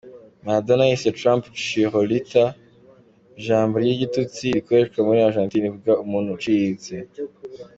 Maradona yise Trump “chirolita", ijambo ry’igitutsi rikoreshwa muri Argentina rivuga umuntu uciritse.